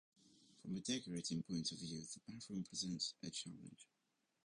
From a decorating point of view the bathroom presents a challenge.